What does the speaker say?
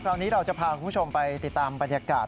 คราวนี้เราจะพาคุณผู้ชมไปติดตามบรรยากาศ